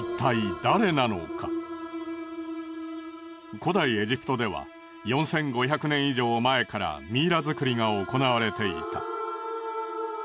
古代エジプトでは４５００年以上前からミイラ作りが行われていた。